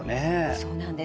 そうなんです。